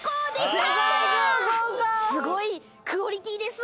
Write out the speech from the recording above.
すごいクオリティーです。